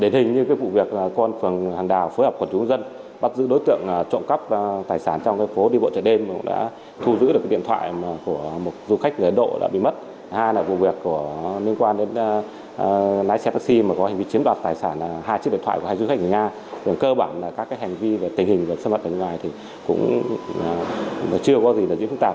tuy nhiên khi nhận được tin báo lực lượng chức năng đã nhanh chóng xác minh bắt giữ được lái xe taxi thu hồi tài xế phóng đi mất